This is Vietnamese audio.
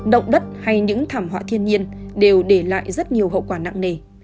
động đất hay những thảm họa thiên nhiên đều để lại rất nhiều hậu quả nặng nề